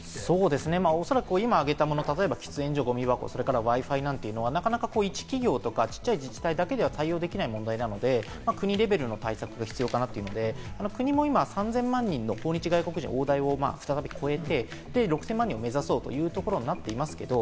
おそらく今、挙げたものを喫煙所、ゴミ箱、Ｗｉ−Ｆｉなんていうのはなかなか、いち企業や小さい自治体だけでは対応できない問題なので、国レベルの対策が必要かなというので、国も今、３０００万人の訪日外国人、大台を超えて６０００万人を目指そうということになっています。